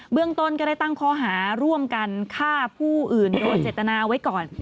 เมืองต้นก็ได้ตั้งข้อหาร่วมกันฆ่าผู้อื่นโดยเจตนาเอาไว้ก่อน